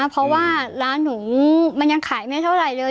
เพราะว่าร้านหนูมันยังขายไม่เท่าไหร่เลย